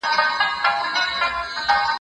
قلمي خط د کلتور او تمدن ساتل دي.